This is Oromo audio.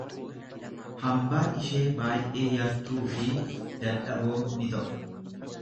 Hambaan ishee baay'ee yartuu fi dadhaboo ni ta'u.